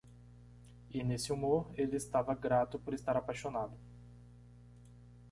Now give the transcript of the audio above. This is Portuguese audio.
E? nesse humor? ele estava grato por estar apaixonado.